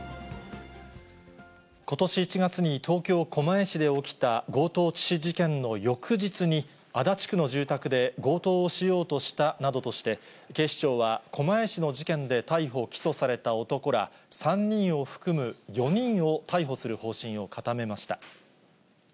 ことし１月に東京・狛江市で起きた強盗致死事件の翌日に、足立区の住宅で強盗をしようとしたなどとして、警視庁は狛江市の事件で逮捕・起訴された男ら３人を含む４人を逮捕する方針を固めました。